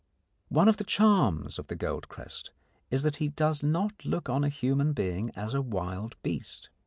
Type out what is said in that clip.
One of the charms of the goldcrest is that he does not look on a human being as a wild beast.